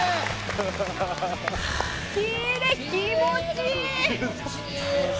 気持ちいい！